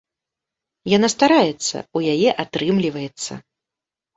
Яна стараецца, у яе атрымліваецца.